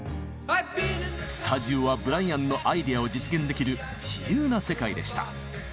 スタジオはブライアンのアイデアを実現できる自由な世界でした。